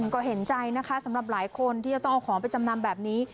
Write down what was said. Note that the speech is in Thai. ก็เห็นใจนะคะสำหรับหลายคนที่จะต้องเอาของไปจำนำแบบนี้